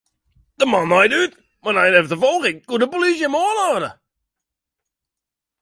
De man naaide út, mar nei in efterfolging koe de polysje him oanhâlde.